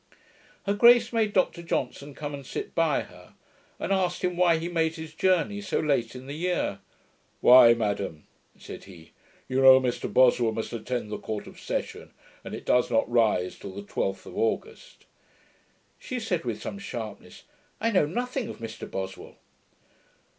Her grace made Dr Johnson come and sit by her, and asked him why he made his journey so late in the year. 'Why, madam,' said he, 'you know Mr Boswell must attend the Court of Session, and it does not rise till the twelfth of August.' She said, with some sharpness, 'I KNOW NOTHING of Mr Boswell.'